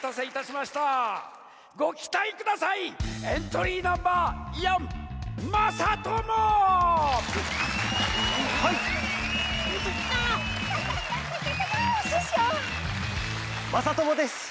まさともです。